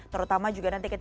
terutama juga nanti kita lihat